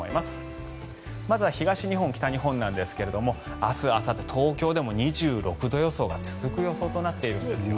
まずは東日本、北日本ですが明日あさって東京でも２６度が続く予想となっているんです。